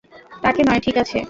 তাকে নয়, ঠিক আছে?